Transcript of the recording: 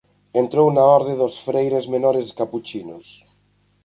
Entrou na Orde dos Freires Menores Capuchinos.